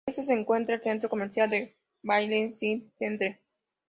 Al este se encuentra el centro comercial Bahrein City Centre.